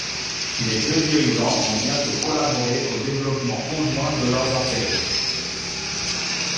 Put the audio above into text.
Les deux dirigeants vont bientôt collaborer au développement conjoint de leurs affaires.